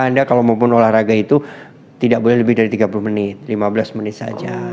anda kalau maupun olahraga itu tidak boleh lebih dari tiga puluh menit lima belas menit saja